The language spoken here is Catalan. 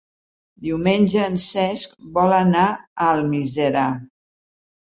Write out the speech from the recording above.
Diumenge en Cesc vol anar a Almiserà.